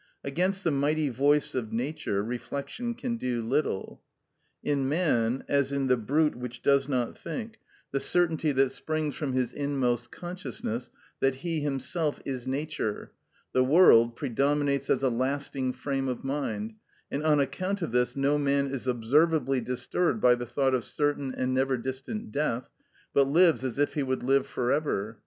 Against the mighty voice of Nature reflection can do little. In man, as in the brute which does not think, the certainty that springs from his inmost consciousness that he himself is Nature, the world, predominates as a lasting frame of mind; and on account of this no man is observably disturbed by the thought of certain and never distant death, but lives as if he would live for ever.